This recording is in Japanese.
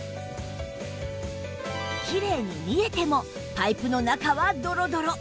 キレイに見えてもパイプの中はドロドロ